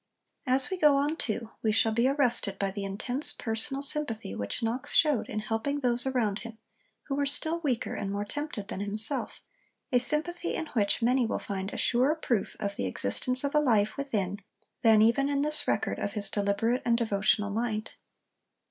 As we go on too we shall be arrested by the intense personal sympathy which Knox showed in helping those around him who were still weaker and more tempted than himself a sympathy in which many will find a surer proof of the existence of a life within, than even in this record of his deliberate and devotional mind.